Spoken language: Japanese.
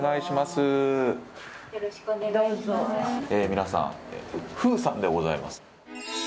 皆さん楓さんでございます。